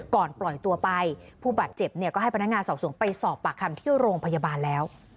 ก่อนปล่อยตัวไปผู้บาดเจ็บเนี่ยก็ให้พนักงานสอบสวนไปสอบปากคำที่โรงพยาบาลแล้ว